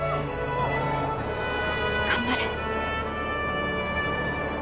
頑張れ。